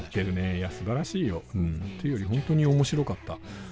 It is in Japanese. いやすばらしいよ。っていうよりホントに面白かった。